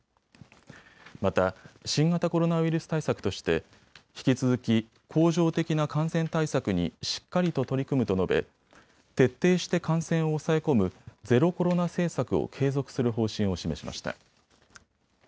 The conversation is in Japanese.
また新型コロナウイルス対策として引き続き、恒常的な感染対策にしっかりと取り組むと述べ徹底して感染を抑え込むゼロコロナ政策を継続する方針を示しました。